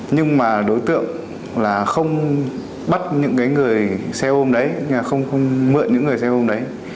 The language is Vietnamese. nhưng mà đối tượng là không bắt những người xe ôn đấy không mượn những người xe ôn đấy